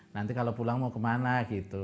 nanti kalau pulang mau kemana gitu